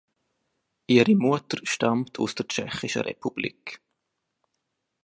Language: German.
Ihre Mutter stammt aus der Tschechischen Republik.